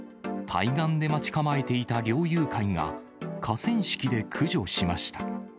対岸で待ち構えていた猟友会が河川敷で駆除しました。